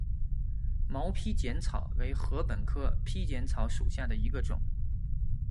毛披碱草为禾本科披碱草属下的一个种。